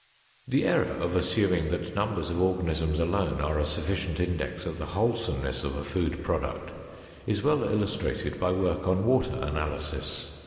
The error of assuming that numbers of organisms alone are a sufficient index of the wholesomeness of a food product is well illustrated by work on water analysis.